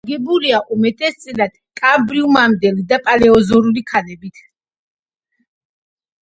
აგებულია უმეტესწილად კამბრიუმამდელი და პალეოზოური ქანებით.